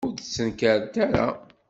Ur d-ttnekkarent ara.